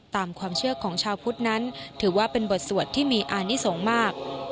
ตามความเชื่อของชาวพุทธนั้นถือว่าเป็นบทสวดที่มีอานิสงฆ์มาก